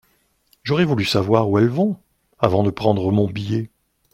J’aurais voulu savoir où elles vont… avant de prendre mon billet…